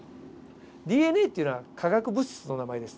ＤＮＡっていうのは化学物質の名前です。